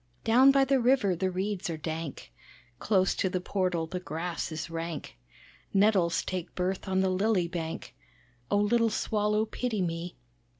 Down by the river the reeds are dank, Close to the portal the grass is rank; Nettles take birth on the lily bank. Oh little Swallow pity me.